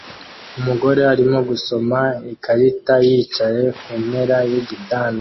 Umugore arimo gusoma ikarita yicaye kumpera yigitanda